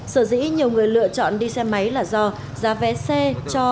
sở dĩ nhiều người lựa chọn đi xe máy là do giá vé xe cho